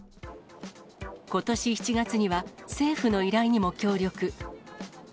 ことし７月には政府の依頼にも協力。